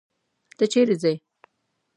ته چيري ځې.